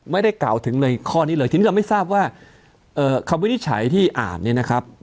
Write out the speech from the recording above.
ไม่ได้กล่าวถึงในข้อนี้เลยทีนี้เราไม่ทราบว่าคำวินิจฉัยที่อ่านเนี่ยนะครับ